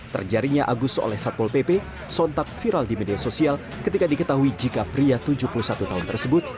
terjaringnya agus oleh satpol pp sontak viral di media sosial ketika diketahui jika pria tujuh puluh satu tahun tersebut